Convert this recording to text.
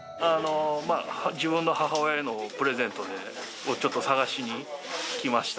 自分の母親へのプレゼントで、ちょっと探しに来ました。